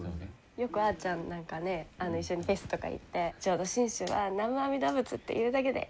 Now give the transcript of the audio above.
よくあーちゃんなんかね一緒にフェスとか行って「浄土真宗は南無阿弥陀仏って言うだけでえ